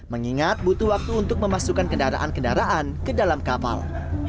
mengingat butuh waktu untuk memasukkan kendaraan kendaraan ke dalam kapal